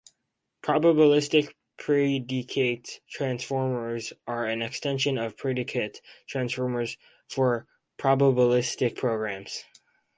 "Probabilistic Predicate Transformers" are an extension of predicate transformers for probabilistic programs.